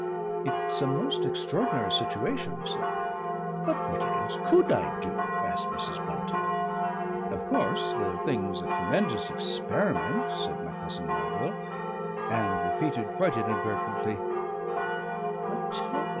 "It's a most extraordinary situation," he said. "But what else could I do?" asked Mrs. Bunting. "Of course the thing's a tremendous experiment," said my cousin Melville, and repeated quite inadvertently, "_a tail!